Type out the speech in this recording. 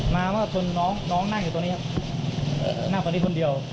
มาว่าชนน้องน้องนั่งอยู่ตรงนี้ครับนั่งตรงนี้คนเดียว